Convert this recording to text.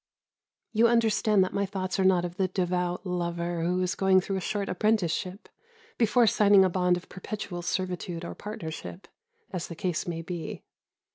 You understand that my thoughts are not of the devout lover who is going through a short apprenticeship before signing a bond of perpetual servitude or partnership, as the case may be.